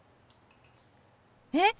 えっ！